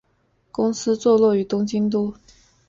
公司坐落于东京都。